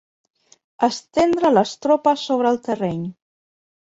Estendre les tropes sobre el terreny.